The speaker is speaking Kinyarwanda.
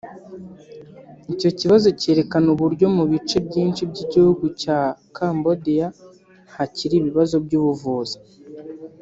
Icyo kibazo cyerekana uburyo mu bice byinshi by’igihugu cya Cambodia hakiri ibibazo by’ubuvuzi